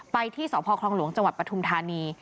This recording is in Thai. ไปที่สพคลองหลวงจังหวัดปฐุมธานี